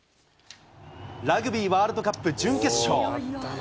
ラグビーワールドカップ準決勝。